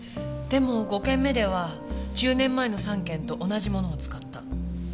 でも５件目では１０年前の３件と同じものを使った。